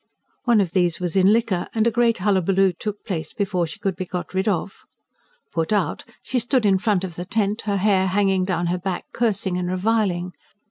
One of these was in liquor, and a great hullabaloo took place before she could be got rid of. Put out, she stood in front of the tent, her hair hanging down her back, cursing and reviling.